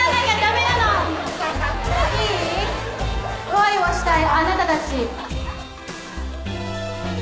恋をしたいあなたたち。